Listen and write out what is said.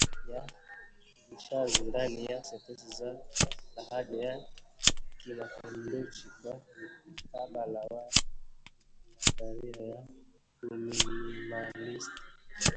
ya vishazi ndani ya sentensi za lahaja ya Kimakunduchi kwa mkabala wa nadharia ya uminimalisti